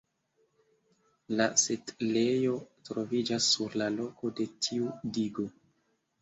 La setlejo troviĝas sur la loko de tiu digo.